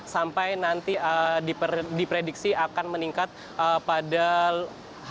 sampai nanti diprediksi akan meningkat pada h satu